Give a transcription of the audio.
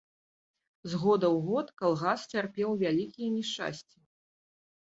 З года ў год калгас цярпеў вялікія няшчасці.